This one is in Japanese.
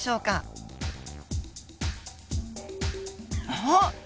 あっ！